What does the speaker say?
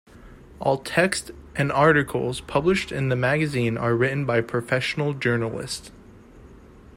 All texts and articles published in the magazine are written by professional journalists.